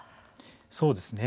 そうですね。